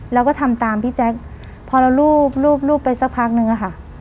เราก็ทำตามพี่แจ๊กพอเรารูปรูปรูปไปสักพักหนึ่งอ่ะค่ะ